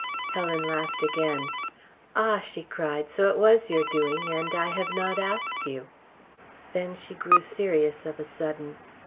Helen laughed again. "Ah," she cried! "So it was your doing, and I have not asked you." Then she grew serious of a sudden.